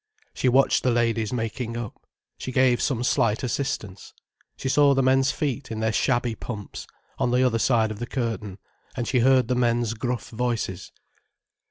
She watched the ladies making up—she gave some slight assistance. She saw the men's feet, in their shabby pumps, on the other side of the curtain, and she heard the men's gruff voices.